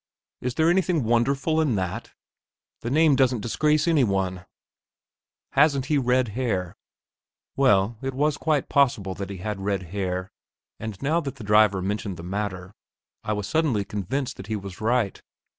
"Is there anything wonderful in that? The name doesn't disgrace any one." "Hasn't he red hair?" Well, it was quite possible that he had red hair, and now that the driver mentioned the matter, I was suddenly convinced that he was right.